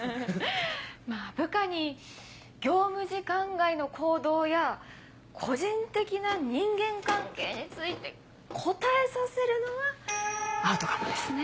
まぁ部下に業務時間外の行動や個人的な人間関係について答えさせるのはアウトかもですね。